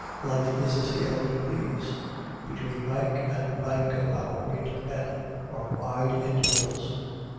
Life is a scale of degrees. Between rank and rank of our great men are wide intervals.